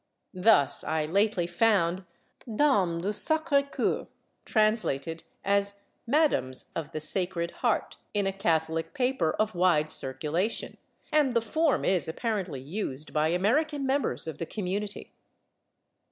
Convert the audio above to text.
Thus, I lately found /Dames du Sacré Coeur/ translated as /Madames of the Sacred Heart/ in a Catholic paper of wide circulation, and the form is apparently used by American members of the community.